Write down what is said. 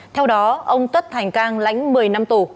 theo đó ông tất thành cang lãnh một mươi năm tù